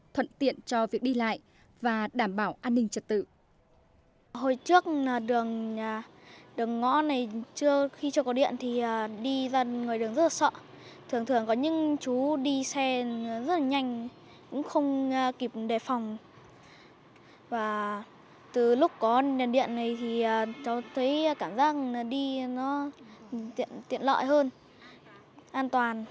thuận tiện cho việc đi lại và đảm bảo an ninh trật tự